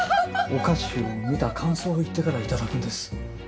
お菓子を見た感想を言ってからいただくんです。